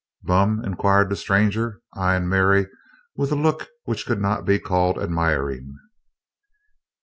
"Bum?" inquired the stranger, eying Mary with a look which could not be called admiring.